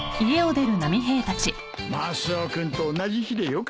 マスオ君と同じ日でよかった。